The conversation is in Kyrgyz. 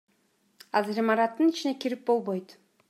Азыр имараттын ичине кирип болбойт.